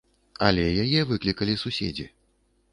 Але яе выклікалі суседзі.